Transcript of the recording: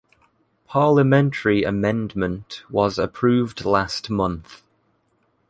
Parliamentary amendment was approved last month.